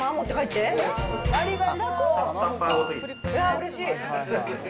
うれしい。